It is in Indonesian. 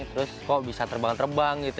terus kok bisa terbang terbang gitu